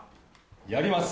やります。